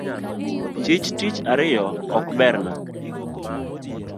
Chich tich ariyo ok berna